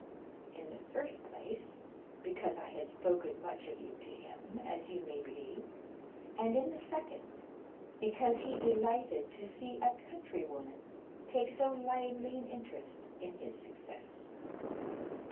"In the first place, because I had spoken much of you to him, as you may believe; and in the second, because he delighted to see a countrywoman take so lively an interest in his success."